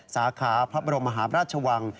สาขาพระบรมมหาพระราชวัง